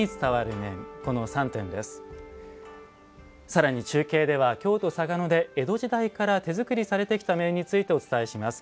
さらに中継では京都・嵯峨野で江戸時代から手作りされてきた面についてお伝えします。